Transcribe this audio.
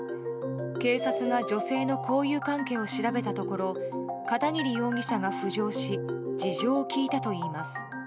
警察が女性の交友関係を調べたところ片桐容疑者が浮上し事情を聴いたといいます。